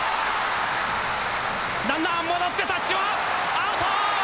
ランナー戻ってタッチはアウト！